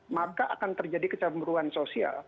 maka akan terjadi kecemburuan sosial